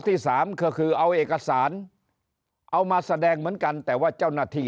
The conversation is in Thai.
ที่สามก็คือเอาเอกสารเอามาแสดงเหมือนกันแต่ว่าเจ้าหน้าที่